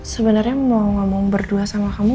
sebenarnya mau ngomong berdua sama kamu